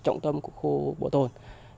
trọng tâm của khu bảo tồn